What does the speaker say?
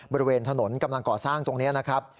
บริเวณถนนกำลังก่อสร้างตรงนี้นะครับ